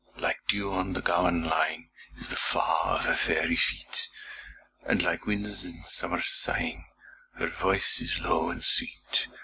Like dew on th' gowan lying, Is the fa' o' her fairy feet, And like winds in summer sighing Her voice is low and sweet.